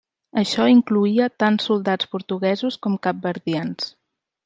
Això incloïa tant soldats portuguesos com capverdians.